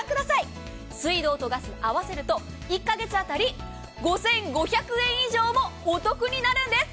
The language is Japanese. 水道とガス、合わせると１か月当たり、５５００円以上お得になるんです。